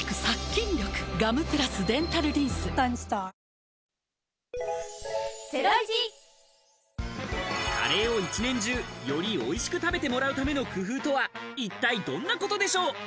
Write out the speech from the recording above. イライラには緑の漢方セラピーカレーを一年中、より美味しく食べてもらうための工夫とは一体どんなことでしょう？